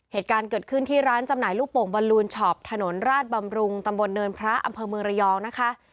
เหตุการณ์เกิดขึ้นที่ร้านจำหน่ายลูกโป่งบอลลูนช็อปถนนราชบำรุงตำบลเนินพระอำเภอเมืองระยองนะคะ